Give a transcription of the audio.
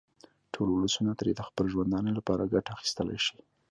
ټول ولسونه ترې د خپل ژوندانه لپاره ګټه اخیستلای شي.